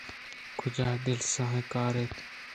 کجا دل سیاہیں کار اَنت